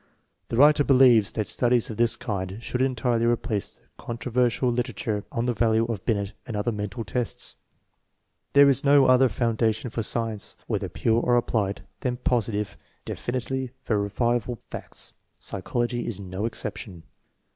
The writer believes that studies of this kind should entirely replace the controversial litera ture on the value of Binet and other mental tests. There is no other foundation for science, whether pure or applied, than positive, definitely verifiable facts. Psychology is no exception.